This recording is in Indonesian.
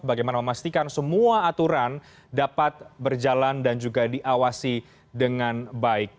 bagaimana memastikan semua aturan dapat berjalan dan juga diawasi dengan baik